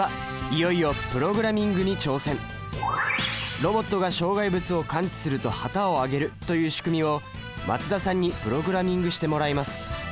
ロボットが障害物を感知すると旗を上げるという仕組みを松田さんにプログラミングしてもらいます。